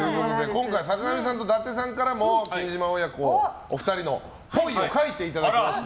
今回、坂上さんと伊達さんからも君島親子、お二人のぽいを書いていただきました。